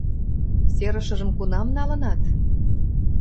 Серышыжым кунам налынат?